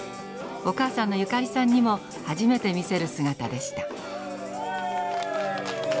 お母さんのゆかりさんにも初めて見せる姿でした。